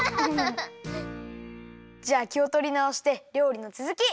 じゃあきをとりなおしてりょうりのつづき！